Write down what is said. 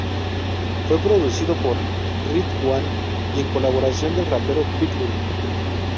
Fue producido por RedOne, y en colaboración del rapero Pitbull.